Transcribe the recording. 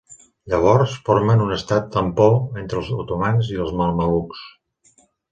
Llavors, formen un estat tampó entre els otomans i els mamelucs.